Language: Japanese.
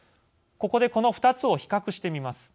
ここでこの２つを比較してみます。